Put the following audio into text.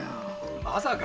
まさか？